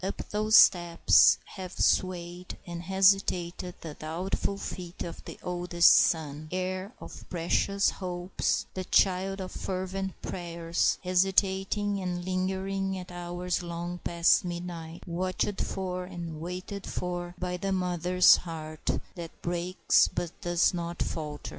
Up those steps have swayed and hesitated the doubtful feet of the oldest son, heir of precious hopes and child of fervent prayers, hesitating and lingering at hours long past midnight, watched for and waited for by the mother's heart that breaks but does not falter.